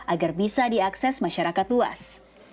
agar bisa diakses masyarakat luas